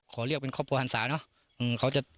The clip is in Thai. ขอเรียกเป็นครอบครัวหันศาเนอะ